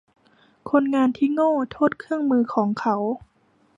คนงานที่โง่โทษเครื่องมือของเขา